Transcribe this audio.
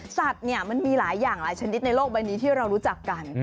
สัตว์เนี่ยมันมีหลายอย่างหลายชนิดในโลกใบนี้ที่เรารู้จักกัน